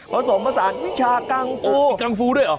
ผสมภาษาวิชากังฟูวิชากังฟูด้วยหรอ